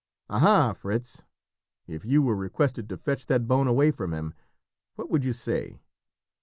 "Aha! Fritz, if you were requested to fetch that bone away from him, what would you say?"